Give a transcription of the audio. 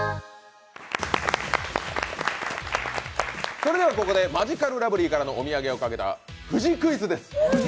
それではここでマヂカルラブリーからのお土産をかけた富士クイズです。